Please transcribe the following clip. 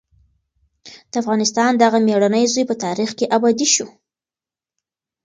د افغانستان دغه مېړنی زوی په تاریخ کې ابدي شو.